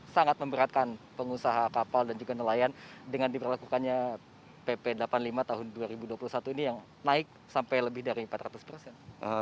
sangat memberatkan pengusaha kapal dan juga nelayan dengan diberlakukannya pp delapan puluh lima tahun dua ribu dua puluh satu ini yang naik sampai lebih dari empat ratus persen